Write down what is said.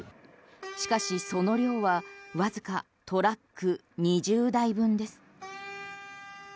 しかし、その量はわずかトラック２０台分です。